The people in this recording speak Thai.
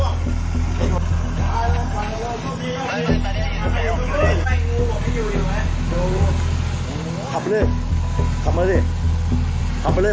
ไอ้งูบอกให้อยู่อยู่แม่อยู่ขับไปเลยขับไปเลย